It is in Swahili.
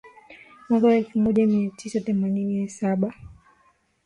Mwaka wa elfu moja mia tisa themanini na saba